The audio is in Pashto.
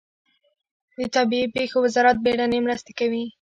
د طبیعي پیښو وزارت بیړنۍ مرستې کوي